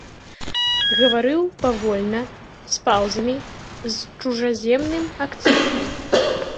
Гаварыў павольна, з паўзамі, з чужаземным акцэнтам.